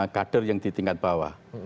kader yang di tingkat bawah